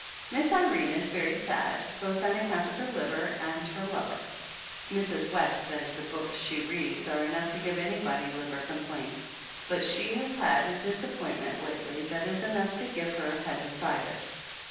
Miss Irene is very sad, both on account of her liver and her lover. Mrs. West says the books she reads are enough to give anybody liver complaint, but she has had a disappoint ment lately that is enough to give her appen dicitis.